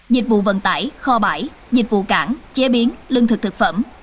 dịch vụ vận tải kho bãi dịch vụ cảng chế biến lương thực thực phẩm